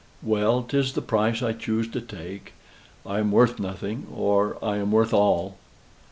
Well, 'tis the price I choose to take. I am worth nothing, or I am worth all."